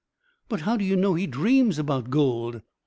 "But how do you know he dreams about gold?"